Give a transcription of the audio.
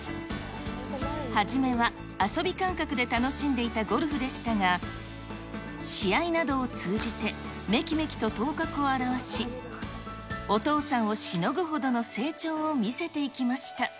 初めは遊び感覚で楽しんでいたゴルフでしたが、試合などを通じてめきめきと頭角を現し、お父さんをしのぐほどの成長を見せていきました。